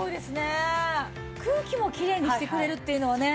空気もきれいにしてくれるっていうのはね